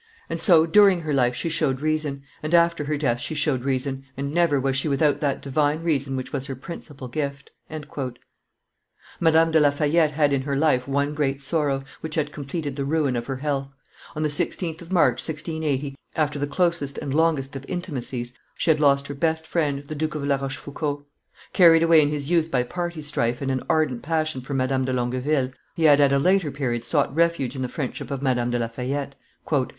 And so, during her life, she showed reason, and after death she showed reason, and never was she without that divine reason which was her principal gift." Madame de La Fayette had in her life one great sorrow, which had completed the ruin of her health. On the 16th of March, 1680, after the closest and longest of intimacies, she had lost her best friend, the Duke of La Rochefoucauld. Carried away in his youth by party strife and an ardent passion for Madame de Longueville, he had at a later period sought refuge in the friendship of Madame de La Fayette.